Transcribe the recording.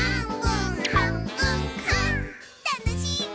たのしいぐ！